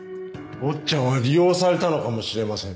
坊ちゃんは利用されたのかもしれません。